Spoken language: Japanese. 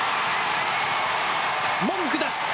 文句なし。